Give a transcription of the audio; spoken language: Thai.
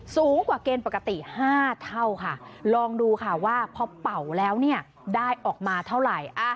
สูงกว่าเกณฑ์ปกติ๕เท่าค่ะลองดูค่ะว่าพอเป่าแล้วเนี่ยได้ออกมาเท่าไหร่